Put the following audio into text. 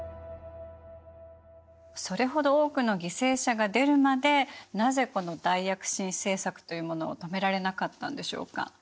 それほど多くの犠牲者が出るまでなぜこの大躍進政策というものを止められなかったんでしょうか？